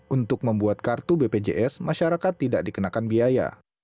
untuk membuat kartu bpjs masyarakat tidak dikenakan biaya